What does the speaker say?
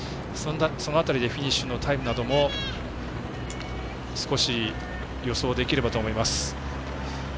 その辺りでフィニッシュのタイムなども少し予想できればと思います。